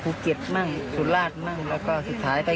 เขาน่าจะได้บุญมากเพราะว่าน้องทุกคนก็ช่วยทำบุญ